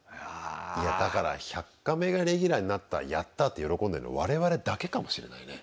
いやだから「１００カメ」がレギュラーになったやった！って喜んでるの我々だけかもしれないね。